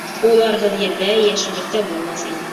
Уларһыҙ ерҙә йәшеллек тә булмаҫ ине.